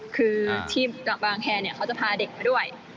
คือที่แรกบ้างแคร์เนี่ยเขาจะพาเด็กมาด้วย